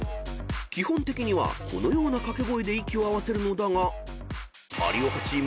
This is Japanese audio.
［基本的にはこのような掛け声で息を合わせるのだが］